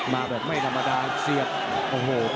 มาแบบไม่ธรรมดาเสียบโอ้โห